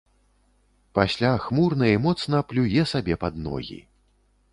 Пасля хмурна і моцна плюе сабе пад ногі.